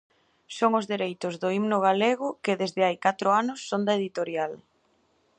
Son os dereitos do himno galego que, desde hai catro anos son da editorial.